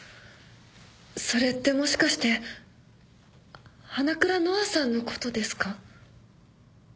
それってもしかして花倉乃愛さんのことですか？